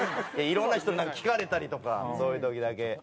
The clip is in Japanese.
いろんな人に聞かれたりとかそういう時だけ。